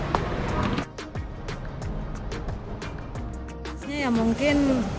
sebenarnya ya mungkin